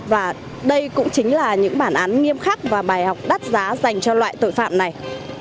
và đây cũng chính là những bản án nghiêm khắc và bài học đắt giá dành cho loại tội phạm này